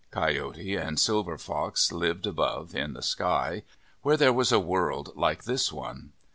Coyote and Silver Fox lived above in the sky, where there was a world like this one.